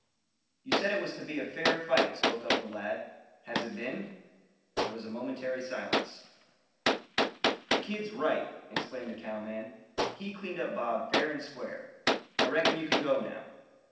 "You said it was to be a fair fight," spoke up the lad. "Has it been?" There was a momentary silence. "The kid's right," exclaimed a cowman. "He cleaned up Bob fair and square. I reckon you kin go, now."